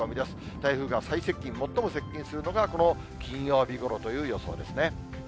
台風が最接近、最も接近するのがこの金曜日ごろという予想ですね。